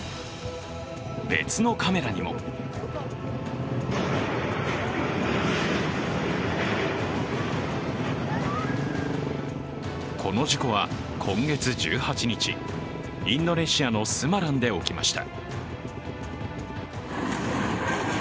別のカメラにもこの事故は今月１８日、インドネシアのスマランで起きました。